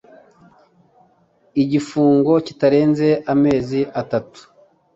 cy igifungo kitarenze amezi atandatu